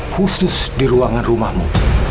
khusus di ruangan rumahmu